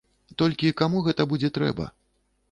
Толькі каму гэта будзе трэба?